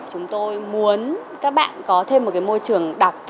chúng tôi muốn các bạn có thêm một môi trường đọc